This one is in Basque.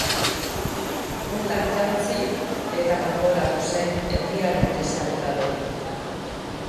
Botak jantzi eta kanporatu zen, euriaren kezkarik gabe.